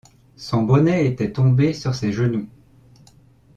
Son bonnet était tombé sur ses genoux.